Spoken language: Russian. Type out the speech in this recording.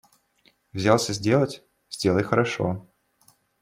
Взялся сделать – сделай хорошо.